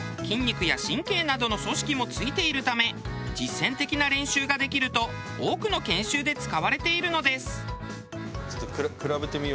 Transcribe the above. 筋肉や神経などの組織も付いているため実践的な練習ができると多くの研修で使われているのです。